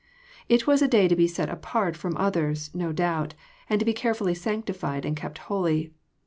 It was a day to be set apart from others, no doubt, and to be carefully sanctified and kept holy.